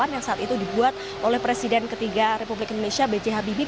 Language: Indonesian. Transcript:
yang saat itu dibuat oleh presiden ketiga republik indonesia b j habibie